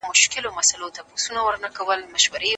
تبې لرونکی ماشوم باید په کور کې استراحت وکړي.